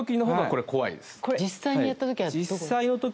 実際にやった時はどこで？